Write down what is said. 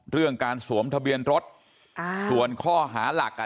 เรื่องการสวมทะเบียนรถอ่าส่วนข้อหาหลักอ่ะ